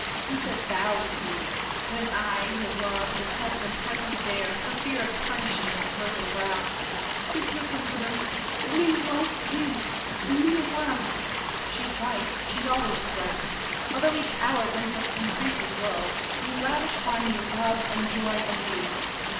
He said "thou" to you, When I, your love, your husband, hardly dare For fear of tarnishing that virgin brow— MARION. Be pleasant with them; it means life to you, And me as well. DIDIER. She's right. She's always right. Although each hour brings us increasing woe, You lavish on me love and joy and youth!